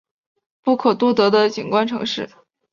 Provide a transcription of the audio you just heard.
不可多得的景观城市